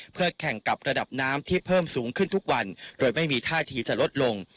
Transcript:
เพื่อแข่งกับระดับน้ำที่เพิ่มสูงขึ้นทุกวันโดยไม่มีท่าทีจะลดลง